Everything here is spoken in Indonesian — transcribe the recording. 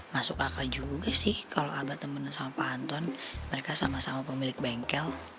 masuk akal juga sih kalau ada temen sama pak anton mereka sama sama pemilik bengkel